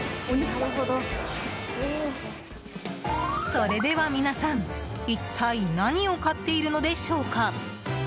それでは皆さん、一体何を買っているのでしょうか？